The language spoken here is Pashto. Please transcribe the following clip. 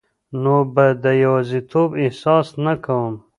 نو به د یوازیتوب احساس نه کوم